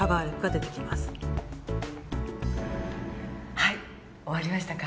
はい終わりましたか？